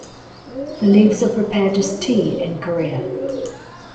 The leaves are prepared as tea in Korea.